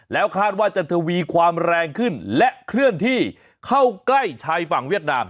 แล้วคาดว่าจะทวีความแรงขึ้นและเคลื่อนที่เข้าใกล้ชายฝั่งเวียดนาม